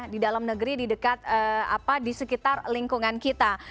di dalam negeri di dekat apa di sekitar lingkungan kita